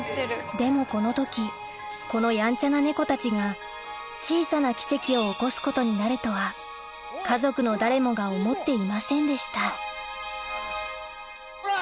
でもこの時このやんちゃなネコたちが小さな奇跡を起こすことになるとは家族の誰もが思っていませんでしたこら！